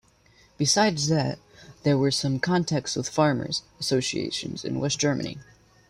Besides that, there were some contacts with farmers' associations in West Germany.